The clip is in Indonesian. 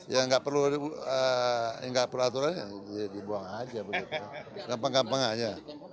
yang nggak perlu aturannya dibuang aja gampang gampang aja